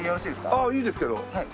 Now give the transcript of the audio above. ああいいですけど。